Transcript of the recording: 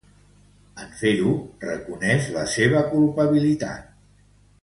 En fer-ho, reconeix la seva culpabilitat.